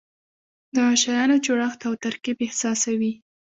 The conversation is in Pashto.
د شیانو جوړښت او ترکیب احساسوي.